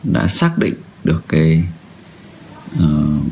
đã xác định được cái